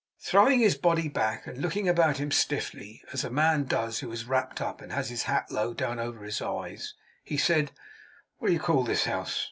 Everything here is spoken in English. Throwing his body back, and looking about him stiffly, as a man does who is wrapped up, and has his hat low down over his eyes, he said: 'What do you call this house?